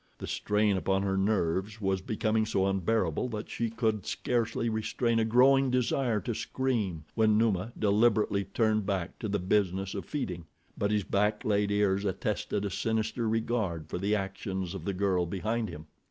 The strain upon her nerves was becoming so unbearable that she could scarcely restrain a growing desire to scream, when Numa deliberately turned back to the business of feeding; but his back layed ears attested a sinister regard for the actions of the girl behind him.